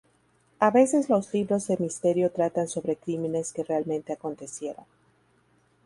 A veces los libros de misterio tratan sobre crímenes que realmente acontecieron.